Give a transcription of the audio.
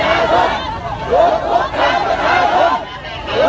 เฮียเฮียเฮีย